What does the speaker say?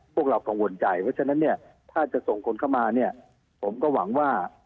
พวกเรากังวลใจเพราะฉะนั้นเนี่ยถ้าจะส่งคนเข้ามาเนี่ยผมก็หวังว่า